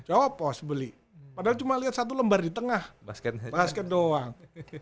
coba pos beli padahal cuma lihat satu lembar di tengah basket doang